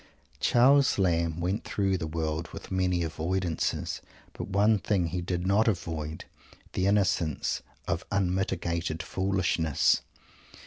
Charles Lamb went through the world with many avoidances, but one thing he did not avoid the innocence of unmitigated foolishness!